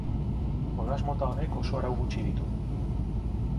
Jolas mota honek oso arau gutxi ditu.